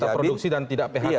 tidak produksi dan tidak phk ya